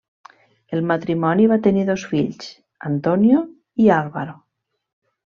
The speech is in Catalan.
El matrimoni va tenir dos fills, Antonio i Álvaro.